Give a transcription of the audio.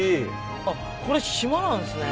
あっこれ島なんですね。